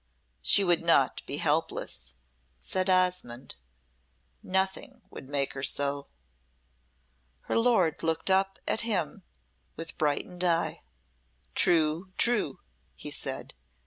"She would not be helpless," said Osmonde. "Nothing would make her so." Her lord looked up at him with brightened eye. "True true!" he said.